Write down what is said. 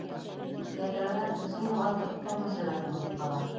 Йәҙрәләр, көсөн юғалтып, ҡом эсенә күмелеп ҡала.